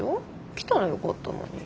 来たらよかったのに。